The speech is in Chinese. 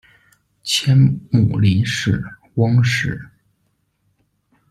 前母林氏；翁氏。